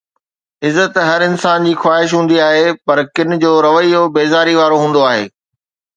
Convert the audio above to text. عزت هر انسان جي خواهش هوندي آهي، پر ڪن جو رويو بيزاري وارو هوندو آهي